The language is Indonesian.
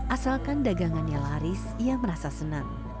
asalkan dagangannya laris ia merasa senang